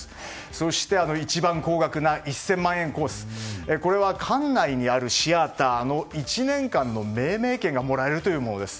そして一番高額な１０００万円コースは館内にあるシアターの１年間の命名権がもらえるというものです。